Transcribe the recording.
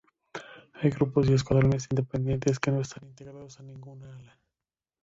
Hay Grupos y Escuadrones independientes que no están integrados en ninguna Ala.